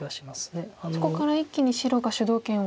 そこから一気に白が主導権を。